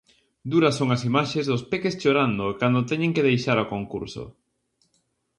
Duras son as imaxes dos peques chorando cando teñen que deixar o concurso.